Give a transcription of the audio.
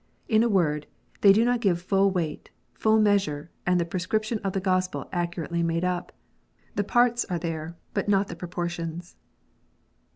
In a word, they do not give full weight, full measure, and the pre scription of the Gospel accurately made up. The parts are there, but not the proportions.